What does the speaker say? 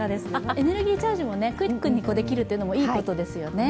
エネルギーチャージもクイックにできるというのもいいですよね。